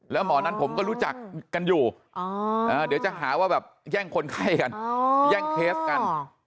แล้วหมอนั้นผมก็รู้จักกันอยู่เดี๋ยวจะหาว่าแบบแย่งคนไข้กันแย่งเคสกัน